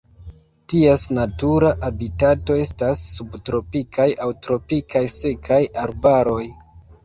Ties natura habitato estas subtropikaj aŭ tropikaj sekaj arbaroj.